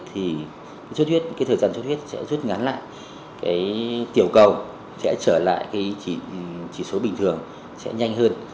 thì thời gian chốt huyết sẽ rút ngắn lại tiểu cầu sẽ trở lại chỉ số bình thường sẽ nhanh hơn